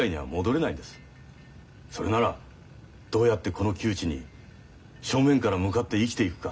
それならどうやってこの窮地に正面から向かって生きていくか